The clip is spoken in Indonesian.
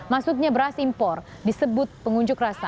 masuknya beras impor disebut pengunjuk rasa